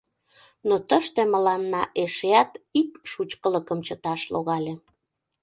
Но тыште мыланна эшеат ик шучкылыкым чыташ логале.